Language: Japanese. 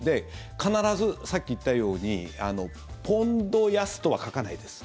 必ず、さっき言ったようにポンド安とは書かないです。